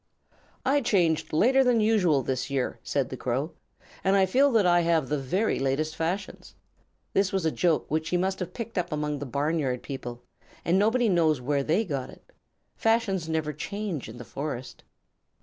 "I changed later than usual this year," said the Crow, "and I feel that I have the very latest fashions." This was a joke which he must have picked up among the Barnyard People, and nobody knows where they got it. Fashions never change in the Forest.